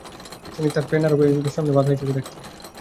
তিনি তার প্যান-আরব এজেন্ডার সামনে বাধা হিসেবে দেখতেন।